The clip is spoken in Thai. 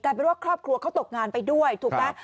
เป็นว่าครอบครัวเขาตกงานไปด้วยถูกไหม